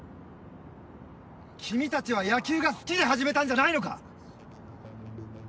君たちは野球が好きで始めたんじゃないのか？